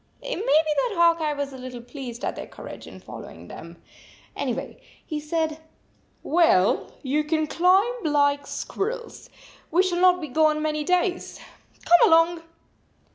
It may be that Hawk Eye was a little pleased at their courage in following them. Anyway, he said: "Well, you can climb like squirrels. We shall not be gone many days. Come along."